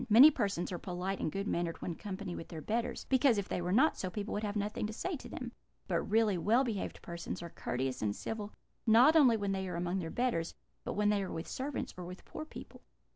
Many persons are polite and good mannered when in company with their betters, because, if they were not so, people would have nothing to say to them: but really well behaved persons are courteous and civil, not only when they are among their betters, but when they are with servants, or with poor people.'